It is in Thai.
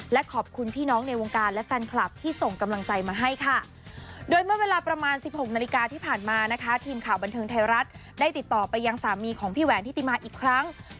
และขอบคุณพี่น้องในวงการและแฟนคลับที่ส่งกำลังใจมาให้ค่ะ